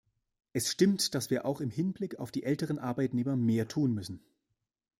Es stimmt, dass wir auch im Hinblick auf die älteren Arbeitnehmer mehr tun müssen.